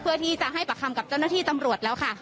เพื่อที่จะให้ปากคำกับเจ้าหน้าที่ตำรวจแล้วค่ะ